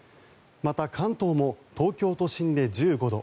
また、関東も東京都心で１５度